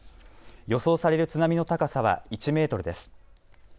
予想される津波の高さは１メートルです。